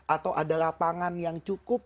atau ada lapangan yang cukup